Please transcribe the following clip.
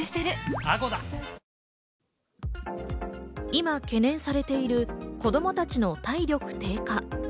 今、懸念されている子供たちの体力低下。